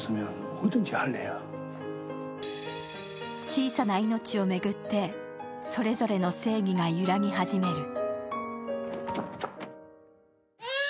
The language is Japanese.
小さな命を巡って、それぞれの正義が揺らぎ始める。